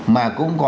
mà cũng có